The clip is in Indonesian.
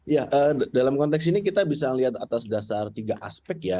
ya dalam konteks ini kita bisa lihat atas dasar tiga aspek ya